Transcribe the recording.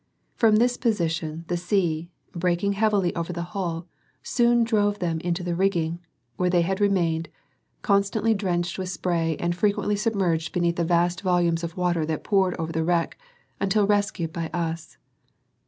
From this position the sea, breaking heavily over the hull, soon drove them into the rigging, where they had remained, constantly drenched with spray and frequently submerged beneath the vast volumes of water that poured over the wreck, until rescued by us.